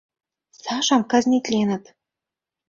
Сашам казнитленыт!..